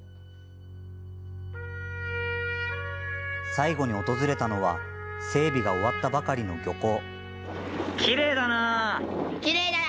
最後に訪れたのは整備が終わったばかりの漁港。